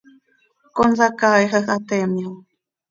Consacaaixaj ha teemyo.